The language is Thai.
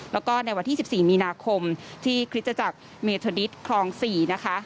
แล้วก็ในวันที่๑๔มีนาคมที่คริสตจักรเมทอดิตคลอง๔นะคะ